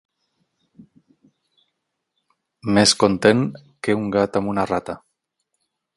Més content que un gat amb una rata.